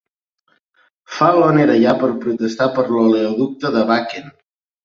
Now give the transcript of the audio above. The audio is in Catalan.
Fallon era allà per protestar per l'oleoducte de Bakken.